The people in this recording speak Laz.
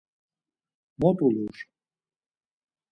Mot ulur!